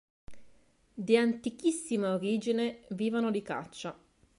Di antichissima origine vivono di caccia.